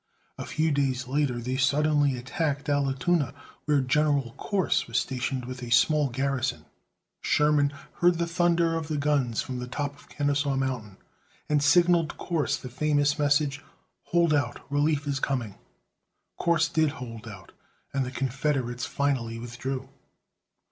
A few days later, they suddenly attacked Allatoona, where General Corse was stationed with a small garrison. Sherman heard the thunder of the guns from the top of Kenesaw Mountain, and signalled Corse the famous message, "Hold out; relief is coming!" Corse did hold out and the Confederates finally withdrew.